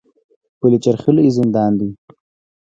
پل چرخي لوی زندان دی